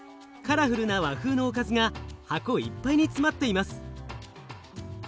カラフルな和風のおかずが箱いっぱいに詰まっています。